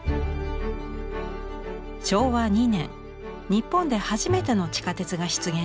昭和２年日本で初めての地下鉄が出現しました。